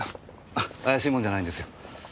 あ怪しい者じゃないですよ。